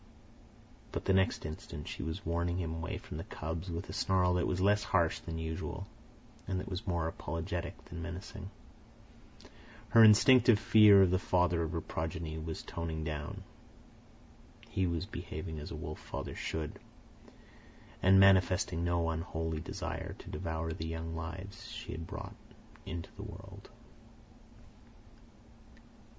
But the next instant she was warning him away from the cubs with a snarl that was less harsh than usual and that was more apologetic than menacing. Her instinctive fear of the father of her progeny was toning down. He was behaving as a wolf father should, and manifesting no unholy desire to devour the young lives she had brought into the world.